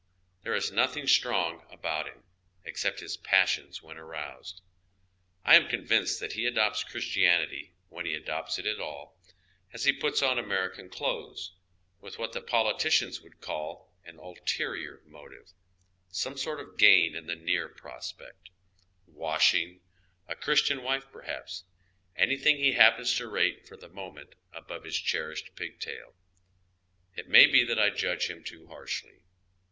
There is nothing strong about him, except liis passions when aroused. I am convinced that he adopts Christianity, when he adopts it at all, as he puts on American clothes, with what the politicians would call an ultei ior motive, some sort of gain in the near prospect — washing,>a Christian wife perhaps, ,y Google CHINATOWN. 93 anything he happens to rate for the moment above his cheriehed pigtail. It may be that I judge him too harshly.